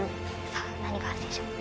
さあ何があるでしょう？